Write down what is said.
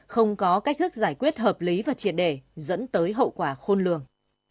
không có cách thức giải quyết hợp lý và triệt để dẫn tới hậu quả khôn lường